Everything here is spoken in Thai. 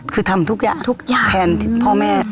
คือทำทุกอย่างแทนพ่อแม่